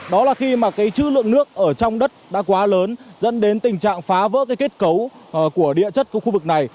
đó là khi mà cái chữ lượng nước ở trong đất đã quá lớn dẫn đến tình trạng phá vỡ cái kết cấu của địa chất của khu vực này